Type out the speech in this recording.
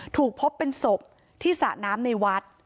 ถูกพบเป็นศพที่สระน้ำในวัด